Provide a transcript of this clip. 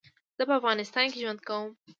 زه په افغانستان کي ژوند کوم